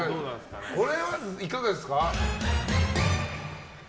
これはいかがですか？